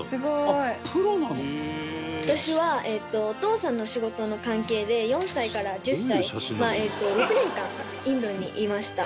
私はお父さんの仕事の関係で４歳から１０歳６年間インドにいました。